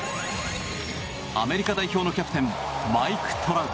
アメリカ代表のキャプテンマイク・トラウト。